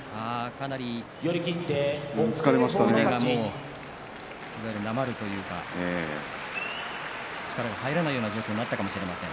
かなり、腕がなまるというか、力が入らないような状況になったかもしれません。